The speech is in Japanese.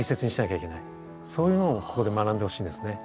そういうのをここで学んでほしいんですね。